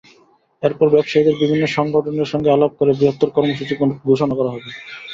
এরপর ব্যবসায়ীদের বিভিন্ন সংগঠনের সঙ্গে আলাপ করে বৃহত্তর কর্মসূচি ঘোষণা করা হবে।